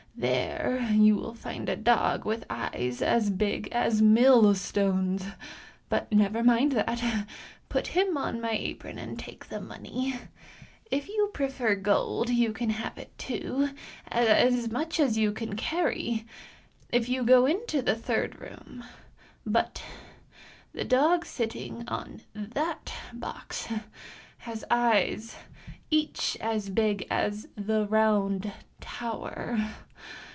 There you will find a dog with eyes as big as millstones; but never mind that, put him on my apron and take the money. If you prefer gold you can have it too, and as much as you can carry, if you go into the third room. But the dog sitting on that box has eyes each as big as the Round Tower.